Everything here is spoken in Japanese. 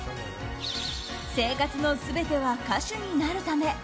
生活の全ては、歌手になるため。